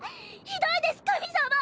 ひどいです神様！